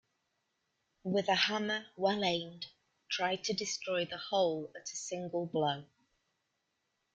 With a hammer well-aimed, try to destroy the whole at a single blow.